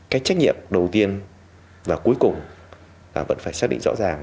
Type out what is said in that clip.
cái trách nhiệm đầu tiên và cuối cùng là vẫn phải xác định rõ ràng